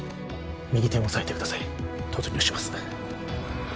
右手をおさえてください突入します